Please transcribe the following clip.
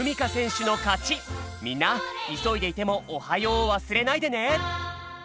みんないそいでいても「おはよう」をわすれないでね！